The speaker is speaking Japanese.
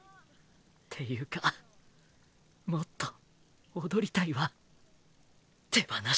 っていうかもっと踊りたいわ。